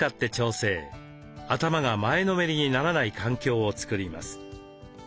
頭が前のめりにならない環境を作ります。